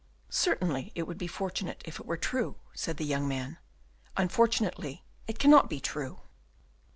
"Certainly it would be fortunate if it were true," said the young man; "unfortunately it cannot be true."